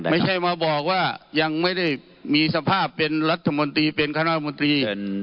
ไม่ใช่มาบอกว่ายังไม่ได้มีสภาพเป็นรัฐมนตรีเป็นคณะมนตรี